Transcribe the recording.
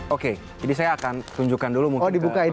oke jadi saya akan tunjukkan dulu mungkin ke pembicaraan